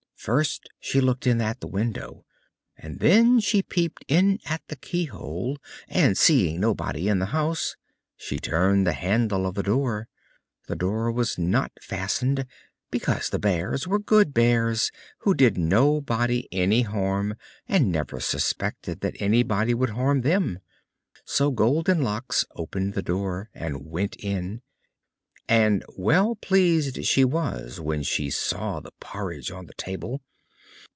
First she looked in at the window, and then she peeped in at the keyhole; and seeing nobody in the house, she turned the handle of the door. The door was not fastened, because the Bears were good Bears, who did nobody any harm, and never suspected that anybody would harm them. So Goldenlocks opened the door, and went in; and well pleased she was when she saw the porridge on the table.